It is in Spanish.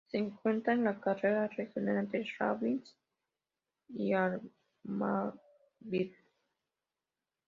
Se encuentra en la carretera regional entre Labinsk y Armavir.